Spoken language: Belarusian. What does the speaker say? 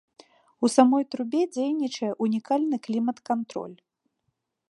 У самой трубе дзейнічае ўнікальны клімат-кантроль.